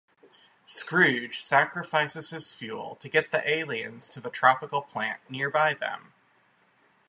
Scrooge sacrifices his fuel to get the aliens to the tropical planet nearby them.